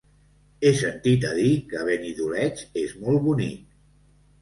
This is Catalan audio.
He sentit a dir que Benidoleig és molt bonic.